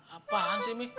apaan sih mi